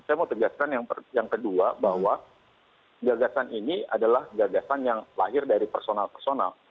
saya mau tegaskan yang kedua bahwa gagasan ini adalah gagasan yang lahir dari personal personal